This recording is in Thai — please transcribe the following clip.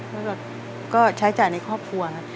แล้วก็ใช้จ่ายในครอบครัวครับ